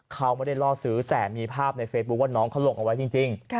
เขาไม่ได้ล่อซื้อแต่มีภาพในเฟซบุ๊คว่าน้องเขาลงเอาไว้จริง